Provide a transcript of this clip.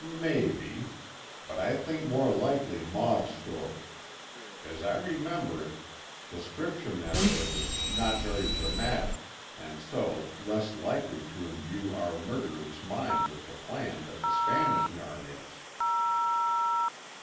"Maybe. But I think more likely Maud's story. As I remember it, the Scripture narrative is not very dramatic, and so, less likely to imbue our murderer's mind with the plan than the Spanish yarn is."